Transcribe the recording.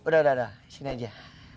udah udah udah sini aja